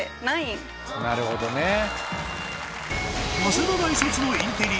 なるほどね。